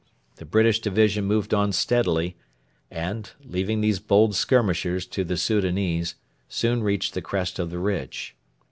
The British division moved on steadily, and, leaving these bold skirmishers to the Soudanese, soon reached the crest of the ridge.